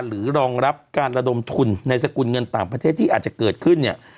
รองรับการระดมทุนในสกุลเงินต่างประเทศที่อาจจะเกิดขึ้นเนี่ย